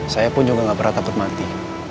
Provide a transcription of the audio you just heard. saya pun juga gak berat takut mati